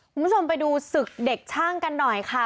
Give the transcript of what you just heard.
คุณผู้ชมไปดูศึกเด็กช่างกันหน่อยค่ะ